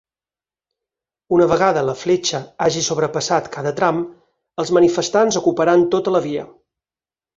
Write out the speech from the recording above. Una vegada la fletxa hagi sobrepassat cada tram, els manifestants ocuparan tota la via.